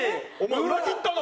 裏切ったな！